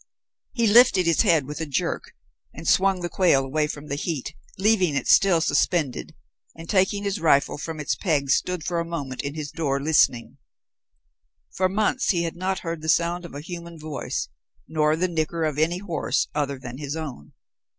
He lifted his head with a jerk, and swung the quail away from the heat, leaving it still suspended, and taking his rifle from its pegs stood for a moment in his door listening. For months he had not heard the sound of a human voice, nor the nicker of any horse other than his own.